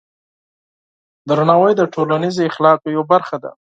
درناوی د ټولنیز اخلاقو یوه برخه ده.